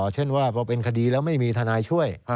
เช่นว่าพอเป็นคดีแล้วไม่มีทนายช่วย